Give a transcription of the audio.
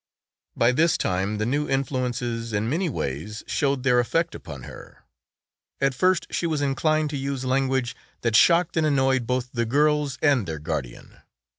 By this time the new influences in many ways showed their effect upon her. At first she was inclined to use language that shocked and annoyed both the girls and their guardian.